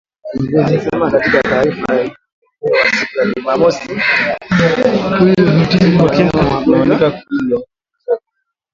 Kiongozi wa kundi hilo Sultani Makenga anaaminika kurudi Jamhuri ya Kidemokrasia ya Kongo